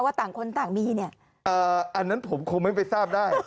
ต่างคนต่างมีเนี่ยอันนั้นผมคงไม่ไปทราบได้